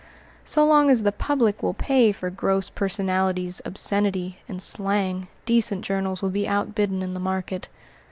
So long as the public will pay for gross personalities, obscenity, and slang, decent journals will be outbidden in the market.